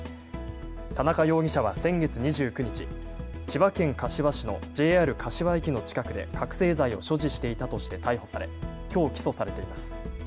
田中容疑者は先月２９日、千葉県柏市のＪＲ柏駅の近くで覚醒剤を所持していたとして逮捕されきょう起訴されています。